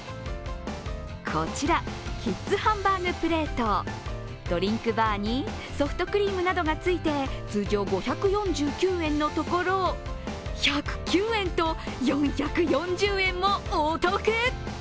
こちらキッズハンバーグプレートドリンクバーにソフトクリームなどがついて通常５４９円のところ１０９円と４４０円もお得。